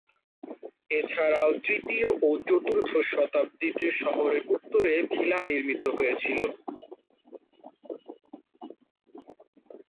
এছাড়াও তৃতীয় ও চতুর্থ শতাব্দীতে শহরের উত্তরে ভিলা নির্মিত হয়েছিল।